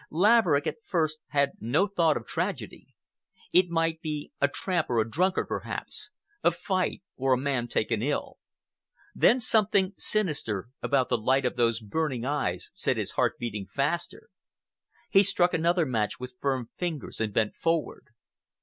Laverick at first had no thought of tragedy. It might be a tramp or a drunkard, perhaps,—a fight, or a man taken ill. Then something sinister about the light of those burning eyes set his heart beating faster. He struck another match with firm fingers, and bent forward.